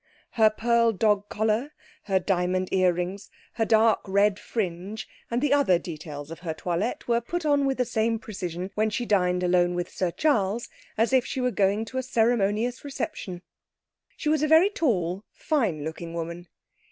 Her pearl dog collar, her diamond ear rings, her dark red fringe and the other details of her toilette were put on with the same precision when she dined alone with Sir Charles as if she were going to a ceremonious reception. She was a very tall, fine looking woman.